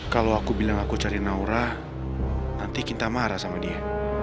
kalau aku bilang aku cari naura nanti kita marah sama dia